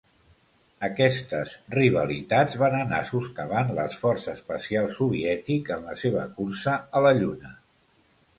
Aquestes rivalitats van anar soscavant l'esforç espacial soviètic en la seva cursa a la Lluna.